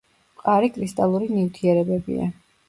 მყარი კრისტალური ნივთიერებებია.